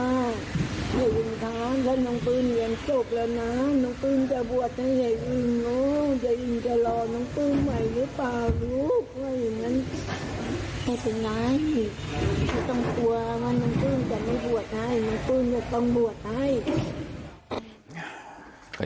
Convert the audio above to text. ไม่ต้องกลัวว่านางกลืนจะไม่บวชให้นางกลืนจะต้องบวชให้